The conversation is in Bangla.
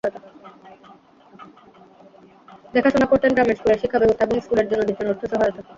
দেখাশোনা করতেন গ্রামের স্কুলের শিক্ষাব্যবস্থা এবং স্কুলের জন্য দিতেন অর্থ সহায়তা।